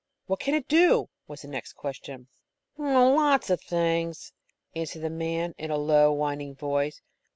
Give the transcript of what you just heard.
"What can it do?" was the next question. "Oh, lots of things," answered the man, in a low, whining voice.